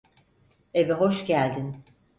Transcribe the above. Eve hoş geldin.